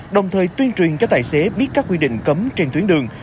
đồng thời tuyên truyền cho tài xế biết các quy định cấm trên tuyến đường